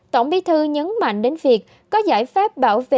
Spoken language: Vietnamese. tổng bí thư nhấn mạnh đến việc có giải pháp bảo vệ